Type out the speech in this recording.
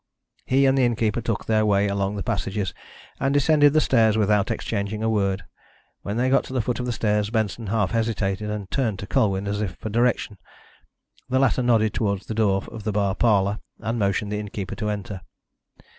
He and the innkeeper took their way along the passages and descended the stairs without exchanging a word. When they got to the foot of the stairs Benson half hesitated, and turned to Colwyn as if for direction. The latter nodded towards the door of the bar parlour, and motioned the innkeeper to enter.